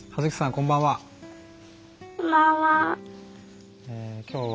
こんばんは。